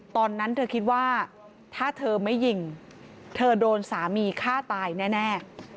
ตอนนั้นเธอคิดว่าถ้าเธอไม่ยิงเธอโดนสามีฆ่าตายแน่